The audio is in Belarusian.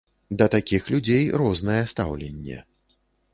Да такіх людзей рознае стаўленне.